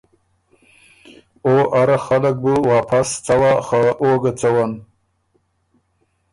او اره خلق بُو واپس څوا خه او ګۀ څوّن۔